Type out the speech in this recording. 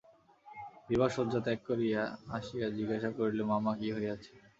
বিভা শয্যা ত্যাগ করিয়া আসিয়া জিজ্ঞাসা করিল, মামা, কী হইয়াছে?